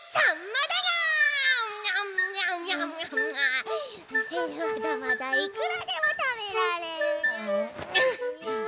まだまだいくらでも食べられるにゃ。